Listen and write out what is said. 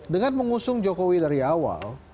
dengan mengusung jokowi dari awal